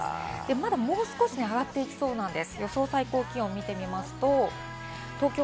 まだもう少し上がっていきそうなんです。